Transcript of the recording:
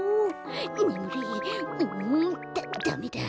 ねむれうんダメだ！